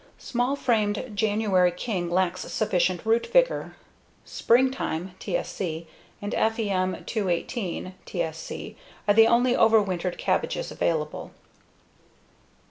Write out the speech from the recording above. Small framed January King lacks sufficient root vigor. Springtime (TSC) and FEM218 (TSC) are the only overwintered cabbages available.